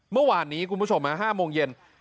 เมื่อวานนี้คุณผู้ชม๕โมงเย็น